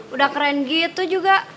udah keren gitu juga